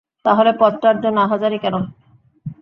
তাহলে পদটার জন্য আহাজারি কেন?